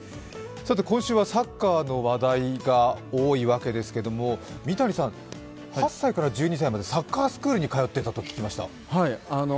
さて、今週はサッカーの話題が多いわけですけれども、三谷さん、８歳から１２歳までサッカースクールに通っていたと聞きました。